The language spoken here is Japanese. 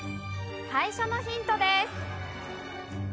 最初のヒントです。